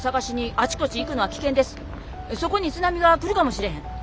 そこに津波が来るかもしれへん。